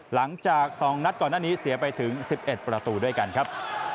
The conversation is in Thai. หลังจาก๒นัดก่อนหน้านี้เสียไปถึง๑๑ประตูด้วยกันครับ